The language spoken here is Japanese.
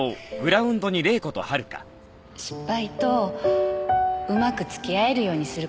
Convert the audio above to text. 失敗とうまく付き合えるようにする事かな。